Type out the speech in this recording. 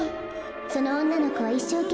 そのおんなのこはいっしょうけんめい